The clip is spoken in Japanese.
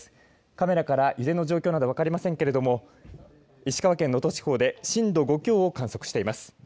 カメラから揺れの状況など分かりませんけれども、石川県能登地方で震度５強を観測しています。